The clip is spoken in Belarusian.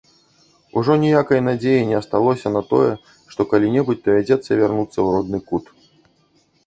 Ужо ніякай надзеі не асталося на тое, што калі-небудзь давядзецца вярнуцца ў родны кут.